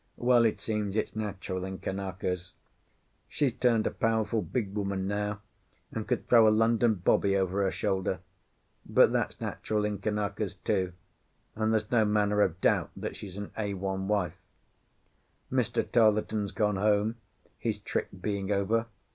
Well, it seems it's natural in Kanakas. She's turned a powerful big woman now, and could throw a London bobby over her shoulder. But that's natural in Kanakas too, and there's no manner of doubt that she's an A 1 wife. Mr. Tarleton's gone home, his trick being over.